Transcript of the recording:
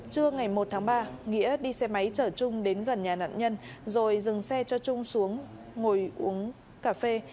trưa ngày một tháng ba nghĩa đi xe máy chở trung đến gần nhà nạn nhân rồi dừng xe cho trung xuống ngồi uống cà phê